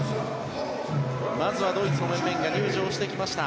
まずはドイツの選手が入場してきました。